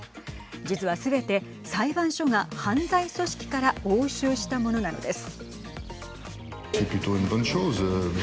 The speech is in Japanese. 実は、すべて裁判所が犯罪組織から押収したものなんです。